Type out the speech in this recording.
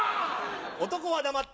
男は黙って。